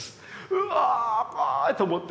うわぁ怖いと思って。